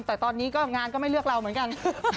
แต่ตอนนี้ก็งานก็ไม่เลือกเราเหมือนกัน